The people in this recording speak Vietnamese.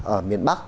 ở miền bắc